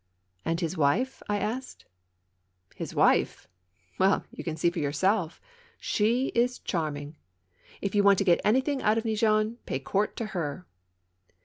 And his wife ?" I asked. ''Ilis wife! — well, you can see for yourself! She is charming ! If you want to get anything out of Neigeon, pay court to her